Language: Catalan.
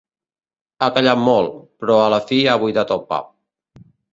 Ha callat molt, però a la fi ha buidat el pap.